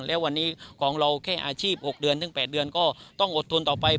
แล้ววันนี้ของเราแค่อาชีพ๖เดือนถึง๘เดือนก็ต้องอดทนต่อไป